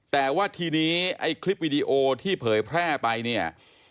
แต่ว่าทีนี้ไอ้คลิปวิดีโอที่เผยแพร่ไปเนี่ย